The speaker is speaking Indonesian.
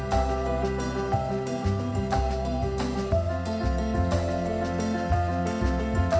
jangan lupa like share dan subscribe ya